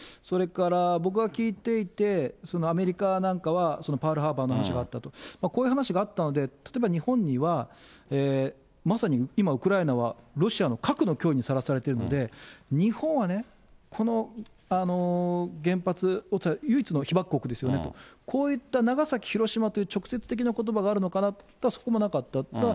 それから僕が聞いていて、そのアメリカなんかは、パールハーバーの話があったと、こういう話があったので、例えば日本には、まさに今、ウクライナはロシアの核の脅威にさらされているので、日本はね、この原発、唯一の被爆国ですよねと、こういった長崎、広島といった直接的なことばがあるのかなと思ったら、そこもなかった。